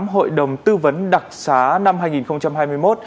hội đồng tư vấn đặc xá năm hai nghìn hai mươi một